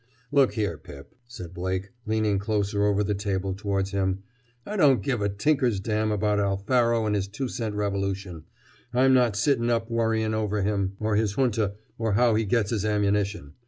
"Look here, Pip," said Blake, leaning closer over the table towards him. "I don't give a tinker's dam about Alfaro and his two cent revolution. I'm not sitting up worrying over him or his junta or how he gets his ammunition.